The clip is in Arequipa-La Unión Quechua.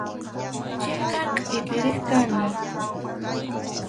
Chayqa qʼipiq riq kani.